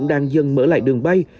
đang dần mở lại đường bay